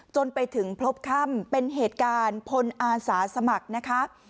จนไปถึงพบค่ำเป็นเหตุการณ์พลอาสาสมัครนะคะ